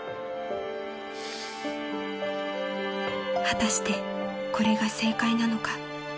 ［果たしてこれが正解なのか］